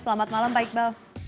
selamat malam pak iqbal